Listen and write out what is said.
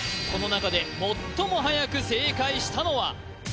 この中で最もはやく正解したのは？